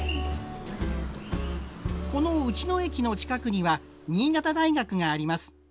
この内野駅の近くには新潟大学があります。